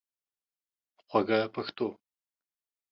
خوږه پښتو